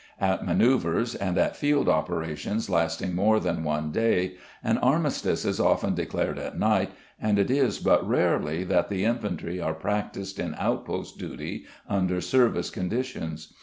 At manœuvres, and at field operations lasting more than one day, an armistice is often declared at night, and it is but rarely that the infantry are practised in outpost duty under service conditions.